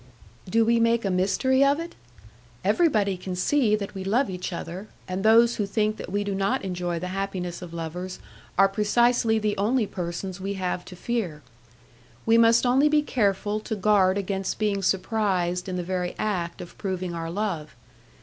"Do we make a mystery of it? Everybody can see that we love each other, and those who think that we do not enjoy the happiness of lovers are precisely the only persons we have to fear. We must only be careful to guard against being surprised in the very act of proving our love.